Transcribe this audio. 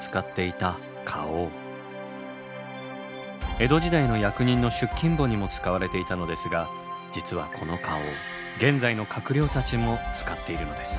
江戸時代の役人の出勤簿にも使われていたのですが実はこの花押現在の閣僚たちも使っているのです。